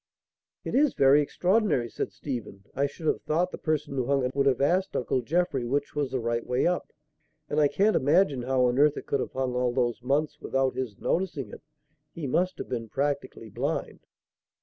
"It is very extraordinary," said Stephen. "I should have thought the person who hung it would have asked Uncle Jeffrey which was the right way up; and I can't imagine how on earth it could have hung all those months without his noticing it. He must have been practically blind."